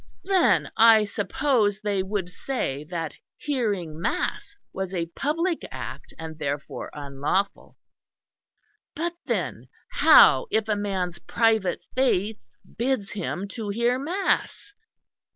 Then I suppose they would say that hearing mass was a public act and therefore unlawful; but then how if a man's private faith bids him to hear mass?